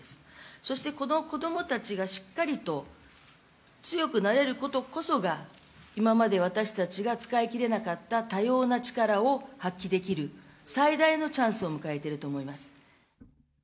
そしてこの子どもたちがしっかりと強くなれることこそが、今まで私たちが使いきれなかった多様な力を発揮できる、最大のチャンスを迎えていると思います。